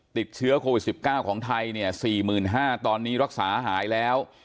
ติดเชื้อโควิดสิบเก้าของไทยเนี่ยสี่หมื่นห้าตอนนี้รักษาหายแล้ว